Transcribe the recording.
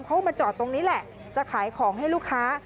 เขามาจอดตรงนี้แหละจะขายของให้ลูกค้า